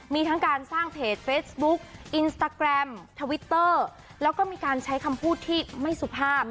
มีทั้งการสร้างเพจเฟซบุ๊คอินสตาแกรมทวิตเตอร์แล้วก็มีการใช้คำพูดที่ไม่สุภาพ